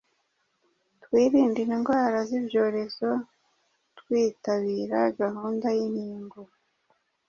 Twirinde indwara z’ibyorezo twitabira gahunda y’inkingo.